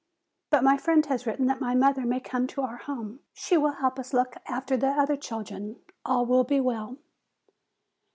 "But my friend has written that my mother may come to our home; she will help us look after the other children. All will be well!"